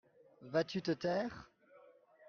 Vas-tu te taire ?